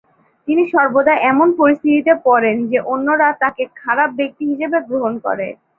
তিনি সর্বদা এমন পরিস্থিতিতে পড়েন যে অন্যরা তাকে খারাপ ব্যক্তি হিসাবে গ্রহণ করে।